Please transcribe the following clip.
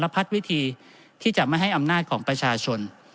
พัดวิธีที่จะไม่ให้อำนาจของประชาชน